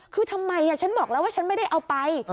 คือทำไมฉันบอกแล้วว่าฉันไม่ได้เอาไป